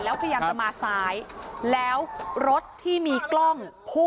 แล้วพยายามจะมาซ้ายแล้วรถที่มีกล้องพุ่ง